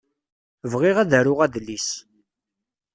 Bɣiɣ ad d-aruɣ adlis.